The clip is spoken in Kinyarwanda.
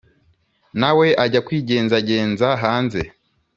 nawe ajya kwigenzagenza hanze.